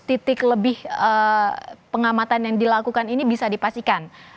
titik lebih pengamatan yang dilakukan ini bisa dipastikan